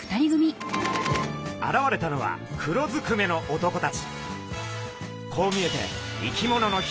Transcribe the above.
現れたのは黒ずくめの男たち。